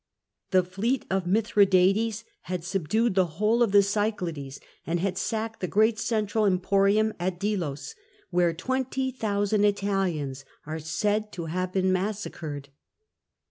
The fleet of Mithradates had subdued the whole of the Cyclades, and had sacked the great central emporium at Delos, where 20,000 Italians are said to have been massacred.